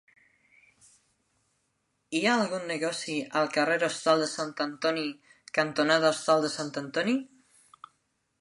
Hi ha algun negoci al carrer Hostal de Sant Antoni cantonada Hostal de Sant Antoni?